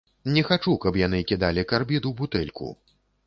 Не хачу, каб яны кідалі карбід у бутэльку.